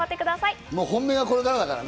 本命がこれからだからね。